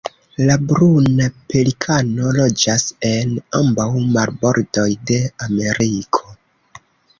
La Bruna pelikano loĝas en ambaŭ marbordoj de Ameriko.